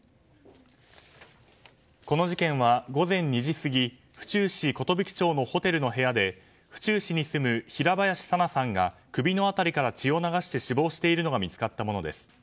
この事件は午前２時過ぎ府中市寿町のホテルの部屋で府中市に住む平林さなさんが首の辺りから血を流して死亡しているのが見つかったものです。